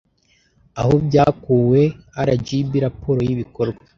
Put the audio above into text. aho byakuwe rgb raporo y ibikorwa